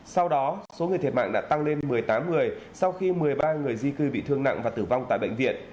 sau đó số người thiệt mạng đã tăng lên một mươi tám người sau khi một mươi ba người di cư bị thương nặng và tử vong tại bệnh viện